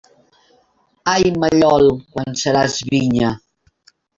Ai, mallol, quan seràs vinya!